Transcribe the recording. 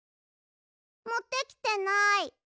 もってきてない。